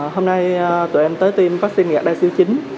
hôm nay tụi em tới tiêm vaccine gardasil chín